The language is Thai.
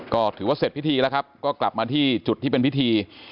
ก็ถือว่าเสร็จพิธีแล้วครับก็กลับมาที่จุดที่เป็นพิธี